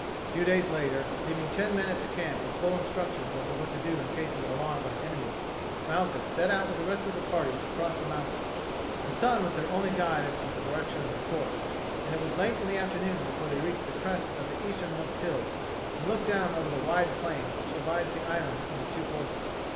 A few days later, leaving ten men at the camp with full instructions as to what to do in case of an alarm by the enemy, Malchus set out with the rest of the party across the mountains. The sun was their only guide as to the direction of their course, and it was late in the afternoon before they reached the crest of the easternmost hills and looked down over the wide plain which divides the island into two portions.